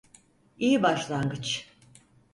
İyi başlangıç.